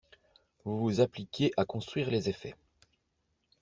Vous vous appliquiez à construire les effets.